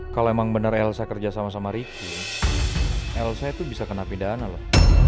kalau emang bener elsa kerja sama sama riki elsa tuh bisa kena pidana loh